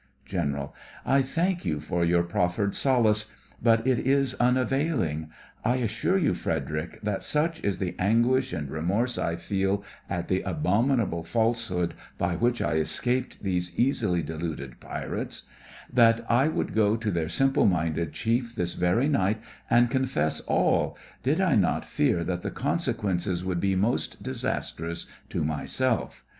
GENERAL: I thank you for your proffered solace, but it is unavailing. I assure you, Frederic, that such is the anguish and remorse I feel at the abominable falsehood by which I escaped these easily deluded pirates, that I would go to their simple minded chief this very night and confess all, did I not fear that the consequences would be most disastrous to myself.